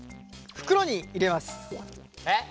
袋に入れます。